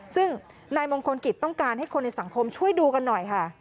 ซึ่งนายมงคลกิจต้องการให้คนในสังคมช่วยดูกันหน่อยค่ะ